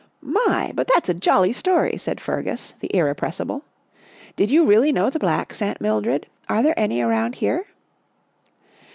" My but that's a jolly story," said Fergus, the irrepressible. " Did you really know the Blacks, Aunt Mildred? Are there any around here?"